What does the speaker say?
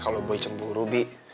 kalau boy cemburu bi